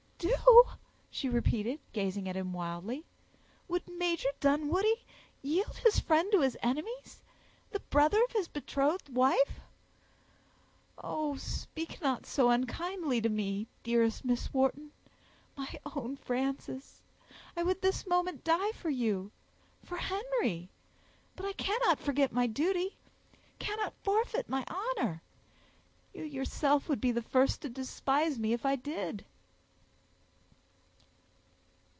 "Do!" she repeated, gazing at him wildly. "Would Major Dunwoodie yield his friend to his enemies—the brother of his betrothed wife?" "Oh, speak not so unkindly to me, dearest Miss Wharton—my own Frances. I would this moment die for you—for Henry—but I cannot forget my duty—cannot forfeit my honor; you yourself would be the first to despise me if I did."